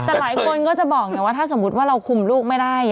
แต่หลายคนก็จะบอกไงว่าถ้าสมมุติว่าเราคุมลูกไม่ได้